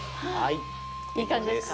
いい感じですか？